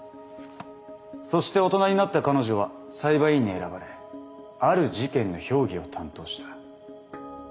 そして大人になった彼女は裁判員に選ばれある事件の評議を担当した。